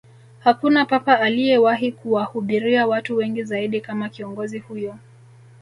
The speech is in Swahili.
Hakuna Papa aliyewahi kuwahubiria watu wengi zaidi kama kiongozi huyo